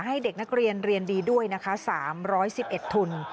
ให้เด็กนักเรียนเรียนดีด้วยนะคะ๓๑๑ทุน